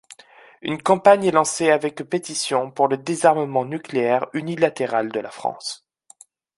Une campagne est lancée avec pétition pour le désarmement nucléaire unilatéral de la France.